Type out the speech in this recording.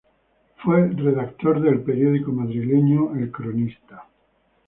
Fue redactor del periódico madrileño "El Cronista".